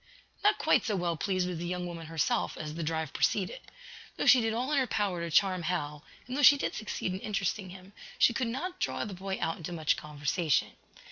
Not quite so well pleased was the young woman herself, as the drive proceeded. Though she did all in her power to charm Hal, and though she did succeed in interesting him, she could not draw the boy out into much conversation.